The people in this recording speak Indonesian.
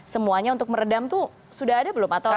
semuanya untuk meredam tuh sudah ada belum atau nggak ada